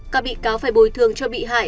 các bị cao phải bồi thường cho bị hại